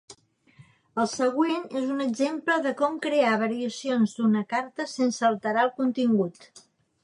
El següent és un exemple de com crear variacions d'una carta sense alterar el contingut.